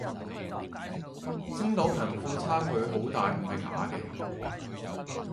星島貧富差距好大唔係假嘅